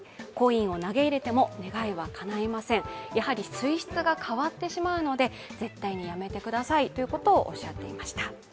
水質が変わってしまうので、絶対にやめてくださいとおっしゃっていました。